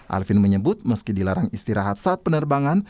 alvin menyebut meski dilarang istirahat saat penerbangan